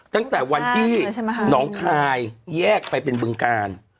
ตั้งแต่วันที่น้องคายแยกไปเป็นบึงกาล